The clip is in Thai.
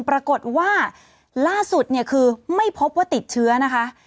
ปรากฏว่าล่าสุดเนี่ยคือไม่พบว่าติดเชื้อนะคะ